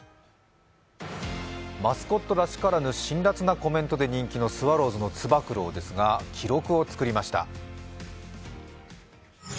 マスコットらしからぬ辛辣なコメントで人気のスワローズのつば九郎ですが記録を作りました。